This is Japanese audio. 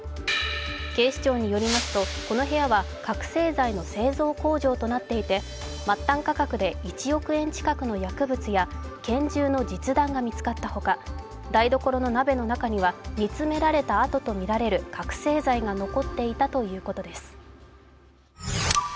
警視庁によりますと、この部屋は覚醒剤の製造工場となっていて、末端価格で１億円近くの薬物や拳銃の実弾が見つかったほか台所の鍋の中には煮詰められたあとと見られる覚醒剤が残っていたということです。